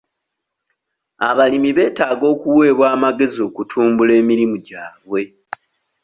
Abalimi betaaga okuwebwa amagezi okutumbula emirimu gyabwe.